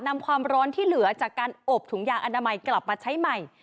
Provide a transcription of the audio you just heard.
ความร้อนที่เหลือจากการอบถุงยางอนามัยกลับมาใช้ใหม่